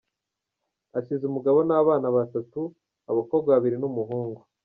Asize umugabo n’abana batatu, abakobwa babiri n’ umuhungu.